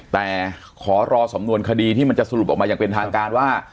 แต่ขอรอสำนวนคดีที่มันจะสรุปออกมาอย่างเป็นทางการว่า